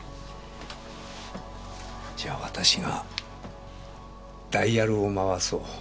じゃわたしがダイヤルを回そう。